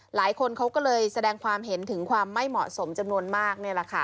หลายคนเขาก็เลยแสดงความเห็นถึงความไม่เหมาะสมจำนวนมากนี่แหละค่ะ